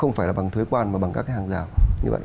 không phải là bằng thuế quan mà bằng các cái hàng rào như vậy